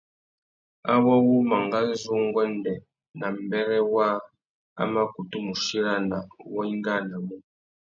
Awô wu mangazu nguêndê nà mbêrê waā a mà kutu mù chirana wá ingānamú.